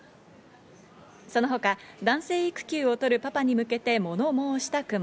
その他、男性育休を取るパパに向けて物申した句も。